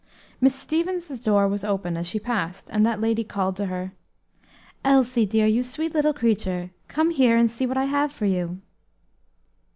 Miss Stevens' door was open as she passed, and that lady called to her, "Elsie, dear, you sweet little creature, come here, and see what I have for you."